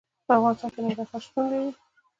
په افغانستان کې ننګرهار شتون لري.